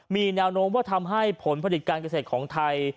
มีแนวโน้มว่าทำให้ผลผลิตการเกษตรของไทย